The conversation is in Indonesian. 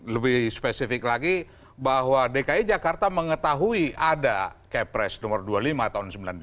lebih spesifik lagi bahwa dki jakarta mengetahui ada kepres nomor dua puluh lima tahun seribu sembilan ratus sembilan puluh sembilan